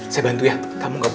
lepas itu aku akan mencoba